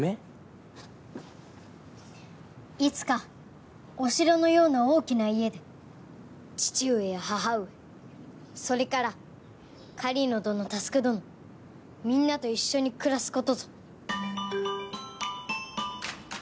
いつかお城のような大きな家で父上や母上それから狩野どの佑どのみんなと一緒に暮らす事ぞ。